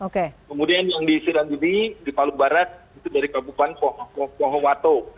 kemudian yang di isiran gudi di palu barat itu dari kabupaten pohonwato